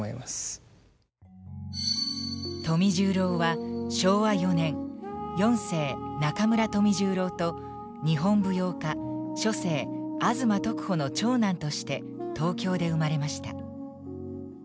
富十郎は昭和４年四世中村富十郎と日本舞踊家初世吾妻徳穂の長男として東京で生まれました。